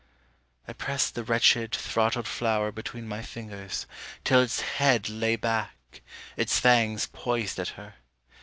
I pressed the wretched, throttled flower between My fingers, till its head lay back, its fangs Poised at her.